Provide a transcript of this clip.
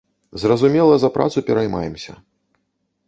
Зразумела, за працу пераймаемся.